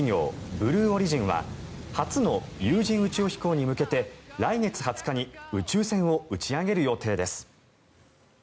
ブルーオリジンは初の有人宇宙飛行に向けて来月２０日に宇宙船を打ち上げる予定です。